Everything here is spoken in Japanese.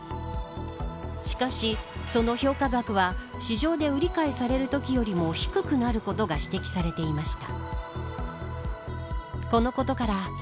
しかし、その評価額は市場で売り買いされるときよりも低くなることが指摘されていました。